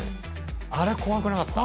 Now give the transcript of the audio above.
あれ怖くなかった？